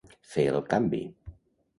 Fer el canvi.